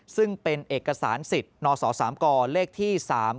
ซึ่งเป็นเอกสารสิทธิ์นศ๓กเลขที่๓๙